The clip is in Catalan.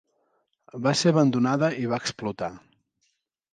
Va ser abandonada i va explotar.